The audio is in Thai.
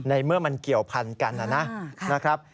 เมื่อมันเกี่ยวพันกันนะครับ